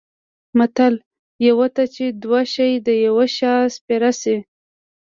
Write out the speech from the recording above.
متل: یوه ته چې دوه شي د یوه شا سپېره شي.